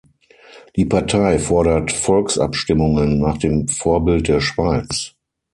Die Partei fordert Volksabstimmungen nach dem Vorbild der Schweiz.